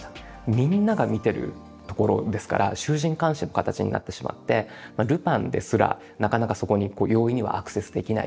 みんなが見てるところですから衆人環視の形になってしまってルパンですらなかなかそこに容易にはアクセスできない。